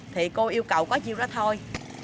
thì cô yêu cầu có chiêu đó thôi